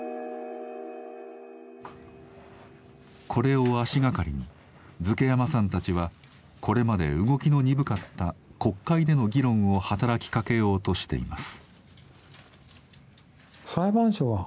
これを足掛かりに瑞慶山さんたちはこれまで動きの鈍かった国会での議論を働きかけようとしています。